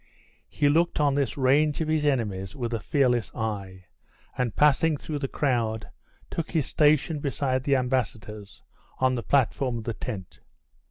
He looked on this range of his enemies with a fearless eye, and passing through the crowd, took his station beside the embassadors, on the platform of the tent.